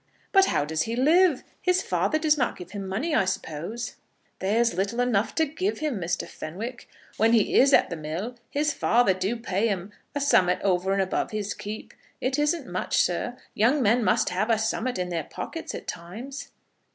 "But how does he live? His father does not give him money, I suppose?" "There's little enough to give him, Mr. Fenwick. When he is at the mill his father do pay him a some'at over and above his keep. It isn't much, sir. Young men must have a some'at in their pockets at times."